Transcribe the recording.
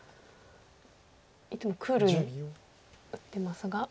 いつもクールに打ってますが。